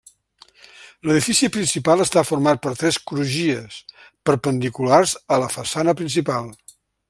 L'edifici principal està format per tres crugies perpendiculars a la façana principal.